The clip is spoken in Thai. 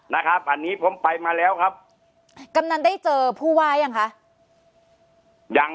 นะครับอันนี้ผมไปมาแล้วครับกำนันได้เจอผู้ว่ายังคะยัง